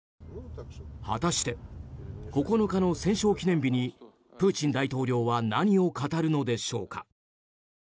果たして９日の戦勝記念日にプーチン大統領は何を語るのでしょうか。